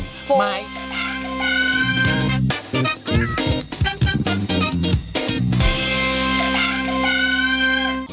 อื้มไฟล์